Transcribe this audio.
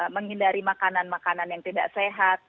menghindari makanan makanan yang tidak sehat